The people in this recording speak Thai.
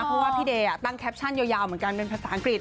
เพราะว่าพี่เดย์ตั้งแคปชั่นยาวเหมือนกันเป็นภาษาอังกฤษ